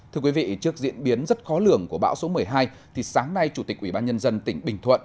thưa quý vị trước diễn biến rất khó lường của bão số một mươi hai thì sáng nay chủ tịch ubnd tỉnh bình thuận